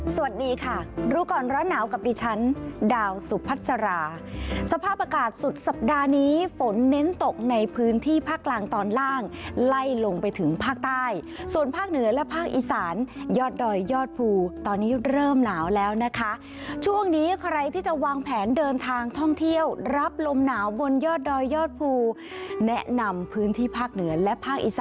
สวัสดีค่ะรู้ก่อนร้อนหนาวกับดิฉันดาวสุพัสราสภาพอากาศสุดสัปดาห์นี้ฝนเน้นตกในพื้นที่ภาคกลางตอนล่างไล่ลงไปถึงภาคใต้ส่วนภาคเหนือและภาคอีสานยอดดอยยอดภูตอนนี้เริ่มหนาวแล้วนะคะช่วงนี้ใครที่จะวางแผนเดินทางท่องเที่ยวรับลมหนาวบนยอดดอยยอดภูแนะนำพื้นที่ภาคเหนือและภาคอีสาน